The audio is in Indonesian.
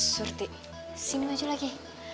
surti sini aja lagi